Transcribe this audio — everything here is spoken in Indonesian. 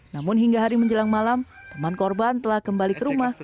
namun hingga hari menjelang malam teman korban telah kembali ke rumah